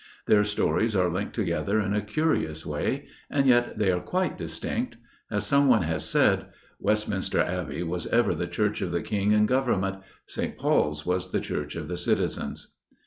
Their stories are linked together in a curious way, and yet they are quite distinct. As someone has said, 'Westminster Abbey was ever the Church of the King and Government; St. Paul's was the Church of the Citizens.